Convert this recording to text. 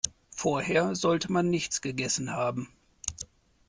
Vorher sollte man nichts gegessen haben.